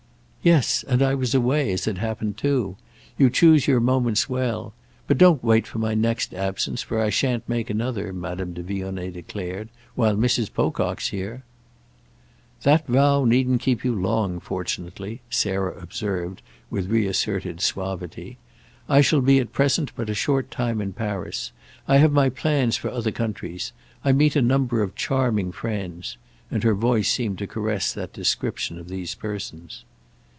"Yes—and I was away, as it happened, too. You choose your moments well. But don't wait for my next absence, for I shan't make another," Madame de Vionnet declared, "while Mrs. Pocock's here." "That vow needn't keep you long, fortunately," Sarah observed with reasserted suavity. "I shall be at present but a short time in Paris. I have my plans for other countries. I meet a number of charming friends"—and her voice seemed to caress that description of these persons.